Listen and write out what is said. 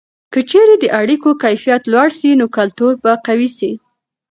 که چیرې د اړیکو کیفیت لوړه سي، نو کلتور به قوي سي.